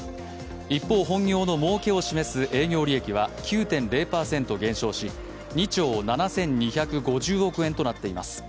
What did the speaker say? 一方、本業のもうけを示す営業利益は９．０％減少し、２兆７２５０億円となっています。